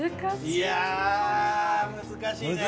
いや難しいね。